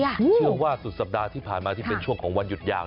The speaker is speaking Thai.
เชื่อว่าสุดสัปดาห์ที่ผ่านมาที่เป็นช่วงของวันหยุดยาว